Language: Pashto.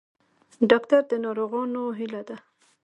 ډاکټر د ناروغانو هیله ده